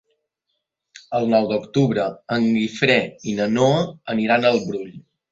El nou d'octubre en Guifré i na Noa aniran al Brull.